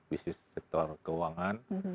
bisnis sektor keuangan